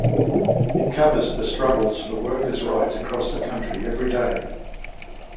It covers the struggles for workers' rights across the country every day.